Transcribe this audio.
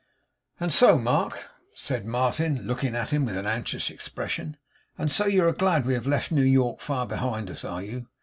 'And so, Mark,' said Martin, looking at him with an anxious expression, 'and so you are glad we have left New York far behind us, are you?